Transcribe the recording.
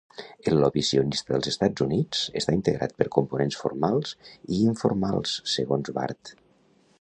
El lobby sionista dels Estats Units, està integrat per components formals i informals segons Bard.